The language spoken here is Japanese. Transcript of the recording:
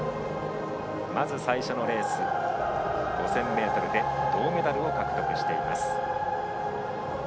まず最初のレース５０００ｍで銅メダルを獲得しています。